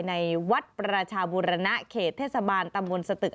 ในวัดประชาบุรณะเขตเทศบาลตำบลสตึก